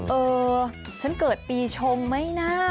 เออฉันเกิดปีชงไหมนะ